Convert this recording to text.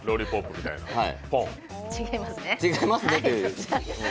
違いますね。